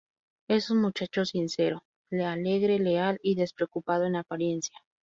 Es un muchacho sincero, alegre, leal y despreocupado en apariencia.